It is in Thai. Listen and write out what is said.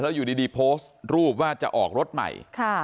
อยู่ดีโพสต์รูปว่าจะออกรถใหม่